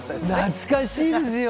懐かしいです。